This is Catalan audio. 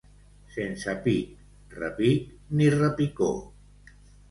Sense pic, repic, ni repicó.